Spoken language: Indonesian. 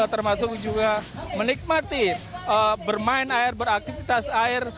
termasuk juga menikmati bermain air beraktivitas air